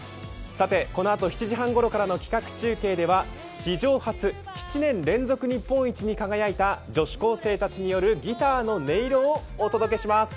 このあと７時半ごろからの企画中継では、史上初７年連続日本一に輝いた女子高生たちによるギターの音色をお届けします。